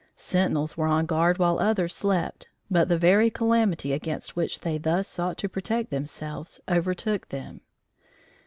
Sentinels were on guard while others slept, but the very calamity against which they thus sought to protect themselves overtook them.